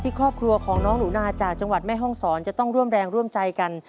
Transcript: ครอบครัวของน้องหนูนาจากจังหวัดแม่ห้องศรจะต้องร่วมแรงร่วมใจกัน